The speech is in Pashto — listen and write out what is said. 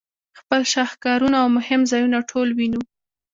خپل شهکارونه او مهم ځایونه ټول وینو.